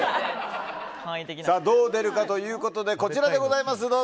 どう出るかということでこちらでございます。